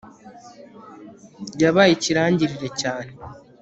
yabaye ikirangirire cyane